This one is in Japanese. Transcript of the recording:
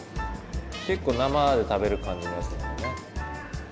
結構生で食べる感じのやつなんだね。